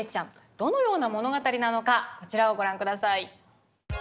どのような物語なのかこちらをご覧下さい。